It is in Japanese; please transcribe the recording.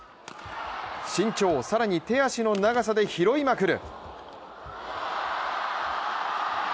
身長、更に手足の長さで拾いまくる。